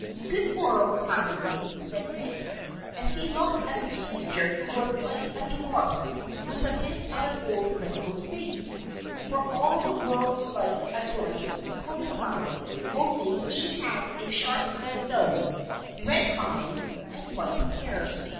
"Good morrow, kindly," said Mick, and he looked at the stranger who was like a dwarf with a bit of an old wrinkled face, for all the world like a dried cauliflower; only he had a sharp red nose, red eyes, and white hair.